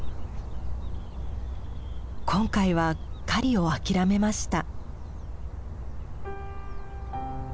今回は狩りを諦めました。